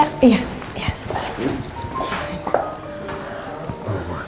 bisa kok sendiri